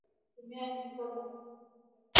Tumia vijiko mbili vya chakula